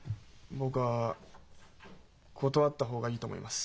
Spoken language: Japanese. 僕は断った方がいいと思います。